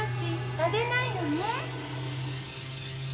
食べないのね。